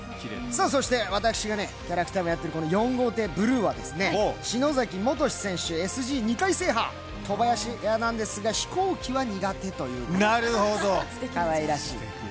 そして私がキャラクターもやっている４号艇ブルーは篠崎元志選手、ＳＧ２回制覇、飛行機は苦手ということです、かわいらしい。